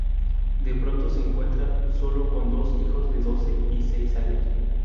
De pronto se encuentra solo con dos hijos de doce y seis años.